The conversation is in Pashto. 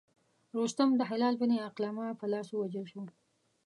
رستم د هلال بن علقمه په لاس ووژل شو.